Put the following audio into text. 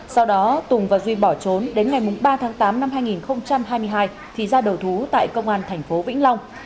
sau đó tùng và duy bỏ trốn đến ngày ba tháng tám năm hai nghìn hai mươi hai thì ra đầu thú tại công an thành phố vĩnh long